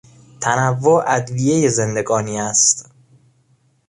تنوع ادویهی زندگانی است.